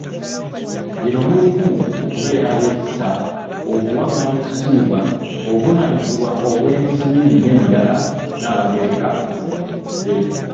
"Gino mulimu: okubeera ab’ekisa, okuwangana ekitibwa, obuvunaanyizibwa obw’ensimbi n’emirala,” Nnaabagereka bwe yannyonnyodde.